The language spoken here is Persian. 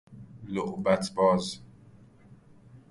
لعبت باز